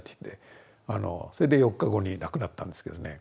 それで４日後に亡くなったんですけどね。